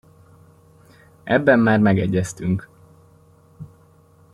Ebben már megegyeztünk.